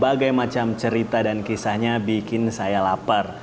berbagai macam cerita dan kisahnya bikin saya lapar